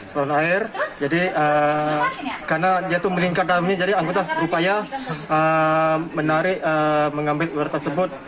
saluran air jadi karena dia itu melingkar dalam ini jadi anggota berupaya menarik mengambil ular tersebut